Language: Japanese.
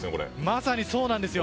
まさにそうなんですよ。